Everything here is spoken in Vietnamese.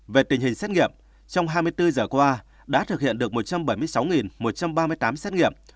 về tình hình xét nghiệm trong hai mươi bốn giờ qua đã thực hiện được một trăm bảy mươi sáu một trăm ba mươi tám xét nghiệm